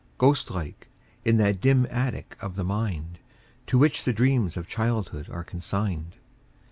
Ghost like, in that dim attic of the mind To which the dreams of childhood are consigned.